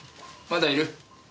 まだいる？